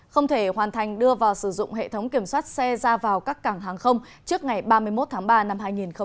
không thể hoàn thành đưa vào sử dụng hệ thống kiểm soát xe ra vào các cảng hàng không trước ngày ba mươi một tháng ba năm hai nghìn hai mươi